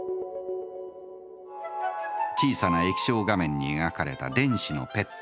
小さな液晶画面に描かれた電子のペット。